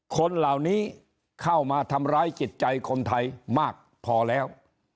คนเหล่านี้เข้ามาทำร้ายจิตใจคนไทยมากพอแล้ว